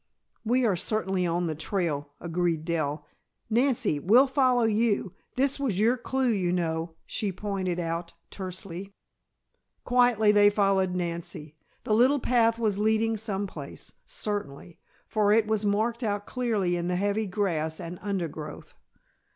"We are certainly on the trail," agreed Dell. "Nancy, we'll follow you; this was your clue, you know," she pointed out tersely. Quietly they followed Nancy. The little path was leading some place, certainly, for it was marked out clearly in the heavy grass and undergrowth.